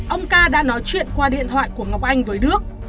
ông ca đã nói chuyện qua điện thoại của ngọc anh với đức